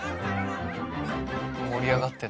盛り上がってる。